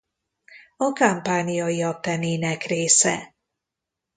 A Campaniai-Appenninek része.